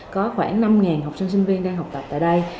có khoảng năm học sinh sinh viên đang học tập tại đây